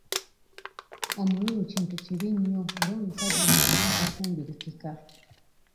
Omululu kintu kibi nnyo era omusajja agulina tafumbirikika.